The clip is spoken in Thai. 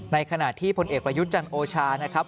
ในขณะที่พลเอกประยุทธ์จันทร์โอชานะครับ